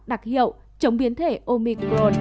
đặc hiệu chống biến thể omicron